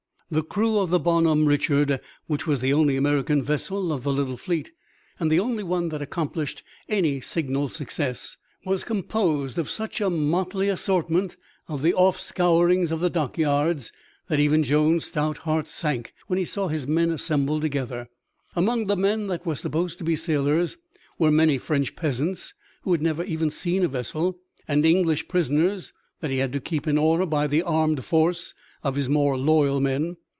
The crew of the Bonhomme Richard, which was the only American vessel of the little fleet, and the only one that accomplished any signal success was composed of such a motley assortment of the offscourings of the dockyards that even Jones' stout heart sank when he saw his men assembled together. Among the men that were supposed to be sailors were many French peasants who had never even seen a vessel and English prisoners that he had to keep in order by the armed force of his more loyal men.